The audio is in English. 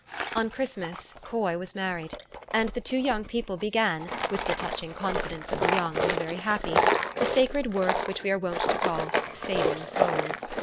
On Christmas Coy was married ; and the two young people began, with the touching confidence of the young and the very happy, the sacred work which we are wont to call " saving souls."